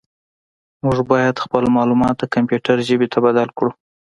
موږ باید خپل معلومات د کمپیوټر ژبې ته بدل کړو.